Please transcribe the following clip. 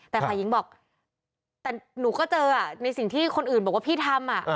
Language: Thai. แต่ฝ่ายหญิงบอกแต่หนูก็เจอในสิ่งที่คนอื่นบอกว่าพี่ทำ